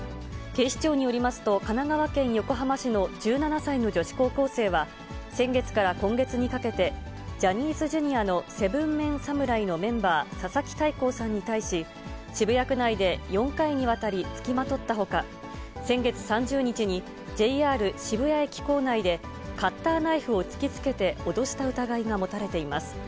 警視庁によりますと、神奈川県横浜市の１７歳の女子高校生は、先月から今月にかけて、ジャニーズＪｒ．の７ＭＥＮ侍のメンバー、佐々木大光さんに対し、渋谷区内で４回にわたり付きまとったほか、先月３０日に、ＪＲ渋谷駅構内で、カッターナイフを突きつけて脅した疑いが持たれています。